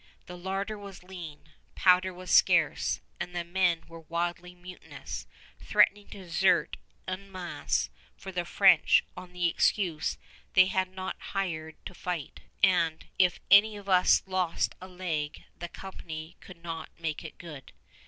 The larder was lean, powder was scarce, and the men were wildly mutinous, threatening to desert en masse for the French on the excuse they had not hired to fight, and "if any of us lost a leg, the company could not make it good."